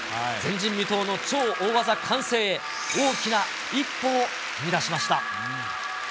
前人未到の超大技完成へ、大きな一歩を踏み出しました。